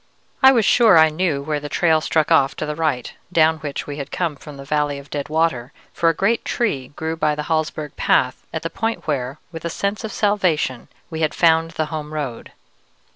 I was sure I knew where the trail struck off to the right, down which we had come from the valley of dead water, for a great tree grew by the Hallsberg path at the point where, with a sense of salvation, we had found the home road.